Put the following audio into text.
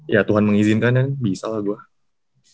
ya tuhan mengizinkan dan bisa lah gue